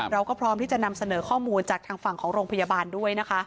เราก็พร้อมที่จะนำเสนอข้อมูลจากทางฝั่งของโรงพยาบาลด้วยนะคะ